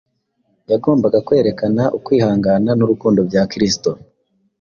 Yagombaga kwerekana ukwihangana n’urukundo bya Kristo,